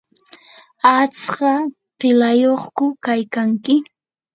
¿atska qilayyuqku kaykanki?